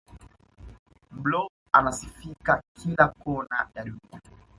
blob anasifika kila kona ya dunia